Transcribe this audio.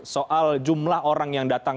soal jumlah orang yang datang